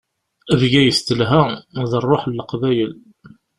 Bgayet telha, d ṛṛuḥ n leqbayel.